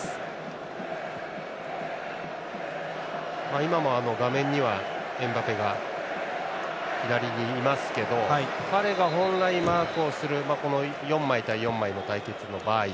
今も画面にはエムバペが左にいますけど彼が本来、マークをする４枚対４枚の対決の場合